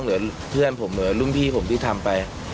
เหมือนเพื่อนผมเหมือนรุ่นพี่ผมที่ทำไป